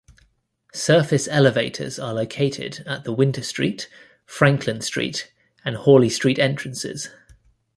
Surface elevators are located at the Winter Street, Franklin Street, and Hawley Street entrances.